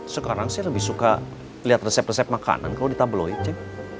sekarang sih lebih suka liat resep resep makanan kalau di tabloid cik